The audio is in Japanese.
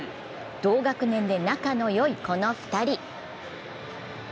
同学年で仲のいいこの２人。